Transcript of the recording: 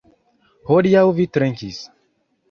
Hodiaŭ vi trinkis.